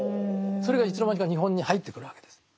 それがいつの間にか日本に入ってくるわけです。